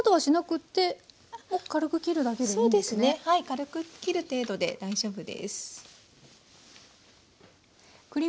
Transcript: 軽くきる程度で大丈夫です。